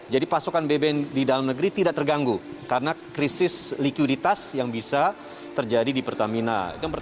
jadi pasokan bbm di dalam negeri tidak terganggu karena krisis likuiditas yang bisa terjadi di pertamina